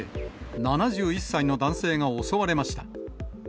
７１歳の男性が襲われました。